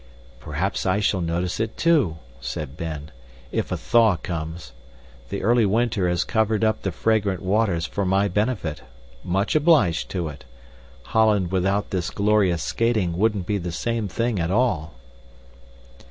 "Perhaps I shall notice it too," said Ben, "if a thaw comes. The early winter has covered up the fragrant waters for my benefit much obliged to it. Holland without this glorious skating wouldn't be the same thing at all."